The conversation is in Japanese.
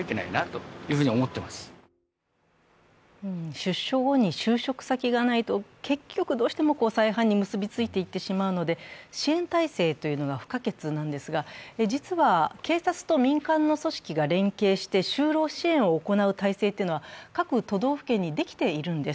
出所後に就職先がないと結局どうしても再犯に結びついていってしまうので支援態勢が不可欠なんですが、実は警察と民間の組織が連携して就労支援を行う体制というのは各都道府県にできているんです。